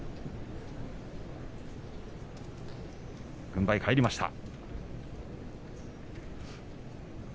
軍配返りました。